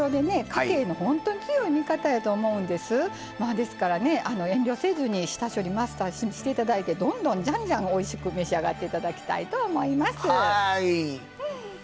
ですからね遠慮せずに下処理マスターして頂いてどんどんじゃんじゃんおいしく召し上がって頂きたいと思います。